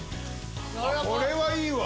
これはいいわ。